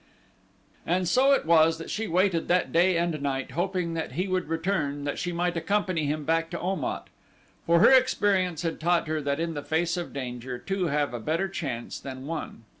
And so it was that she waited that day and night, hoping that he would return that she might accompany him back to Om at, for her experience had taught her that in the face of danger two have a better chance than one.